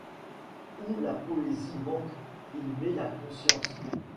Où la poésie manque, il met la conscience.